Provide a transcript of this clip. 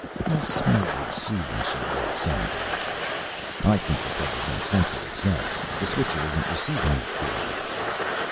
How smugly soothing she was some days! "I think the trouble's in Central itself. The Switcher isn't receiving me clearly."